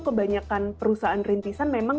kebanyakan perusahaan rintisan memang